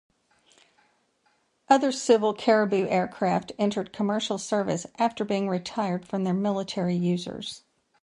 Other civil Caribou aircraft entered commercial service after being retired from their military users.